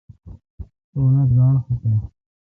تو انیت گاݨڈ خفہ این۔